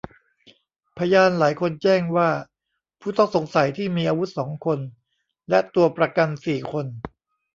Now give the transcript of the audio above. พยานหลายคนแจ้งว่าผู้ต้องสงสัยที่มีอาวุธสองคนและตัวประกันสี่คน